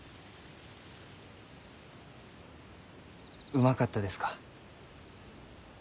うまかったですか？